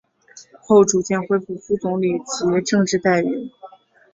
后逐渐恢复副总理级政治待遇。